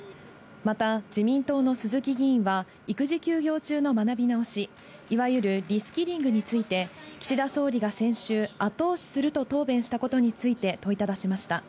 また自民党の鈴木議員は育児休業中の学び直し、いわゆるリスキリングについて、岸田総理が先週、後押しすると答弁したことについて問いただしました。